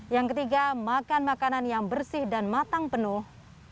yang ketiga makan makanan yang bersih dan matang penuh